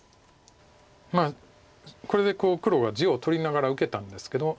まあこれで黒が地を取りながら受けたんですけど。